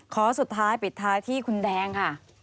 ขอสุดท้ายปิดท้ายที่คุณแดงค่ะ